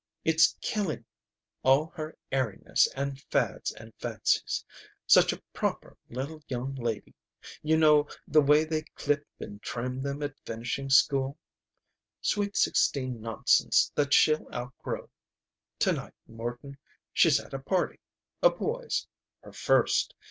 It's killing all her airiness and fads and fancies. Such a proper little young lady. You know, the way they clip and trim them at finishing school. Sweet sixteen nonsense that she'll outgrow. To night, Morton, she's at a party. A boy's. Her first.